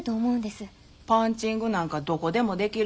パンチングなんかどこでもできる技術とちゃうの。